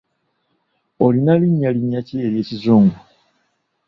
Olina linnya linnya ki ery'ekizungu?